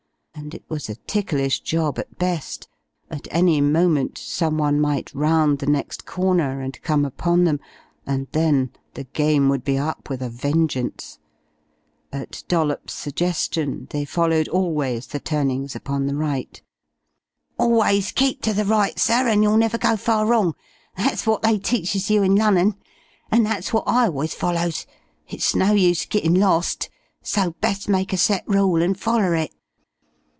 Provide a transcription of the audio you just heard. And it was a ticklish job at best. At any moment someone might round the next corner and come upon them, and then the game would be up with a vengeance. At Dollops's suggestion they followed always the turnings upon the right. "Always keep to the right, sir, and you'll never go far wrong that's what they teaches you in Lunnon. An' that's what I always follows. It's no use gittin' lost. So best make a set rule and foller it."